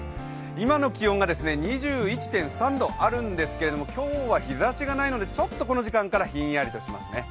今の気温が２１．３度あるんですけれども、今日は日ざしがないのでちょっとこの時間からひんやりしますね。